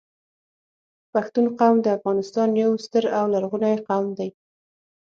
پښتون قوم د افغانستان یو ستر او لرغونی قوم دی